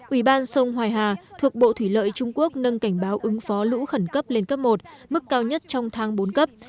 ủy ban sông hoài hà thuộc bộ thủy lợi trung quốc nâng cảnh báo ứng phó lũ khẩn cấp lên cấp một mức cao nhất trong tháng bốn cấp